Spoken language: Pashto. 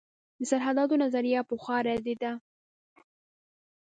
د سرحداتو نظریه پخوا ردېده.